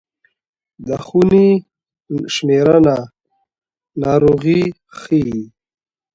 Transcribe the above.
د خونې شمېرنه ناروغي ښيي.